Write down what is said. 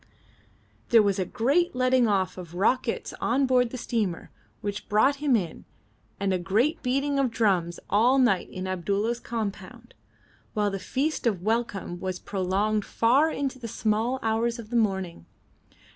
There was a great letting off of rockets on board the steamer which brought him in, and a great beating of drums all night in Abdulla's compound, while the feast of welcome was prolonged far into the small hours of the morning.